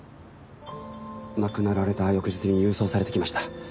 亡くなられた翌日に郵送されてきました。